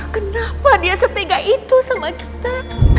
kenapa dia setiga itu sama kita